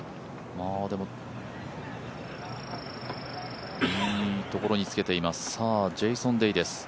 でも、いいところにつけています、ジェイソン・デイです